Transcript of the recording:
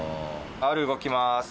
Ｒ動きます。